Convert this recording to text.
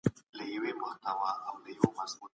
د پوهنتونونو د ډیپلومونو ویش په خپل وخت ترسره کیږي؟